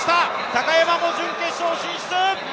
高山も準決勝進出！